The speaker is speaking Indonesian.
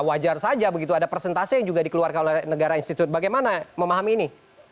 wajar saja begitu ada presentasi yang juga dikeluarkan oleh negara institut bagaimana memahami ini